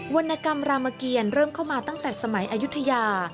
วรรณกรรมรามเกียรเริ่มเข้ามาตั้งแต่สมัยอายุทยา